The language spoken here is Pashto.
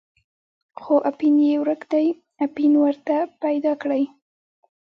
خو اپین یې ورک دی، اپین ورته پیدا کړئ.